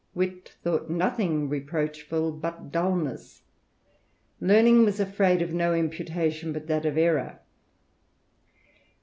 Wit thought nothing reproachful but dulness; Learning was afraid of no imputation but that of errour.